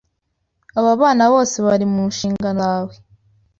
Aba bana bose bari mu nshingano zawe